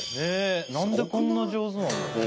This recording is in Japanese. なんでこんな上手なんだろう。